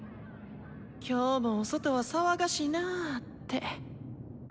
今日もお外は騒がしなぁって。